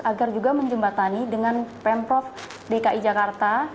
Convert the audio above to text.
agar juga menjembatani dengan pemprov dki jakarta